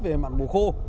về mặt mù khô